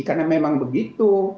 karena memang begitu